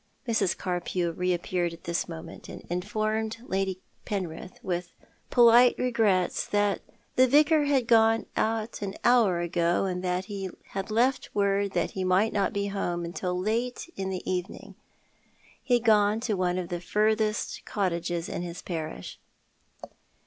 jMrs. Carpew reappeared at this moment, and informed Lady Penrith, with polite regrets, that the Vicar had gone out an hour ago, and that he had left word that he might not be home till late in the evening. He had gone to one of the furthest cottages in his parish.